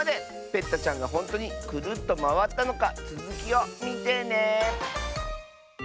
ペッタちゃんがほんとにクルッとまわったのかつづきをみてね。